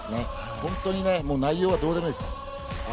本当に内容はどうでもいいです。